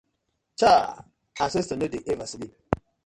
Chaaah!! Ancestors no dey ever sleep.